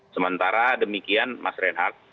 sementara demikian mas reinhardt